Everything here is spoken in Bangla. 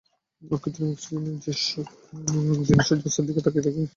অকৃত্রিম অক্সিজেনের সেসব দিনে সূর্যাস্তের দিকে তাকিয়ে নিজেকে শুনিয়েছি হৃদয়ের বিচিত্র বারতা।